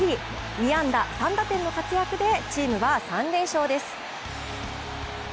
２安打３打点の活躍でチームは３連勝です。